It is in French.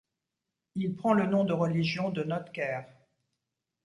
Il prend le nom de religion de Notker.